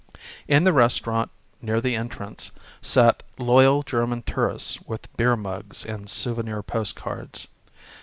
In the restaurant, near the entrance, sat loyal German tourists with beer mugs and souvenir postcards.